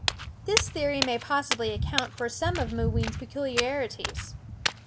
This theory may possibly account for some of Mooween's peculiarities.